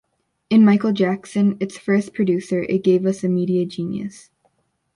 In Michael Jackson, its first producer, it gave us a media-genius.